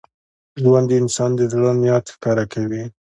ژوند د انسان د زړه نیت ښکاره کوي.